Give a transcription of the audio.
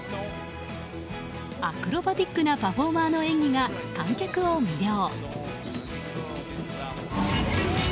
アクロバティックなパフォーマーの演技が観客を魅了。